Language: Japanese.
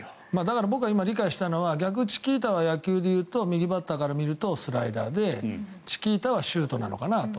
今僕が理解したのは逆チキータは野球でいうと右バッターから見るとスライダーでチキータはシュートなのかな。